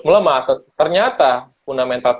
melemah ternyata fundamental